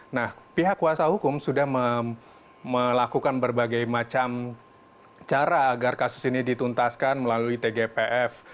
nah pihak kuasa hukum sudah melakukan berbagai macam cara agar kasus ini dituntaskan melalui tgpf